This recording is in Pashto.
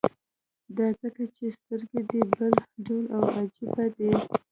دا ځکه چې سترګې دې بل ډول او عجيبه دي.